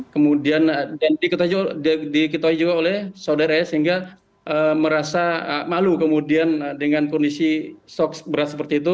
kemudian diketahui juga oleh saudara s sehingga merasa malu kemudian dengan kondisi shock berat seperti itu